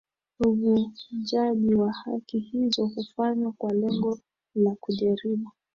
uvunjaji wa haki hizo hufanywa kwa lengo la kujaribu